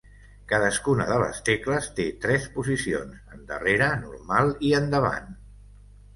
Cadascuna de les tecles té tres posicions: endarrere, normal i endavant.